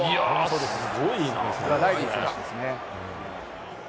これはライリー選手ですね。